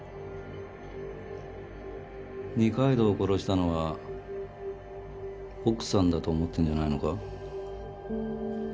二階堂を殺したのは奥さんだと思ってるんじゃないのか？